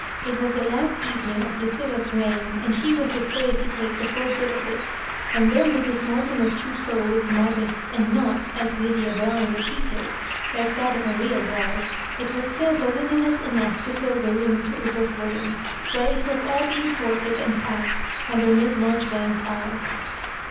It was the last evening of Lucilla^s reign, and she was disposed to take the full good of it And though Mr& Mortimer's trousseau was modest, and not, as Lydia Brown repeated, like th^t of a real bride, it was still voluminous enough to fill the room to overflowing) where it was all beiug sorted and packed under Miss Maijoribanks's eye.